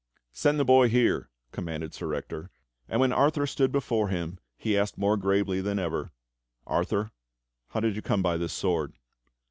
"Send the boy here," commanded Sir Ector; and when Arthur stood before him he asked more gravely than ever: "Arthur, how did you come by this sword.?"